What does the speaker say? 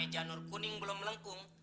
ame janur kuning belum melengkung